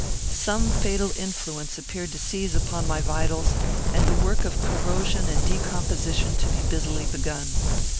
Some fatal influence appeared to seize upon my vitals, and the work of corrosion and decomposition to be busily begun.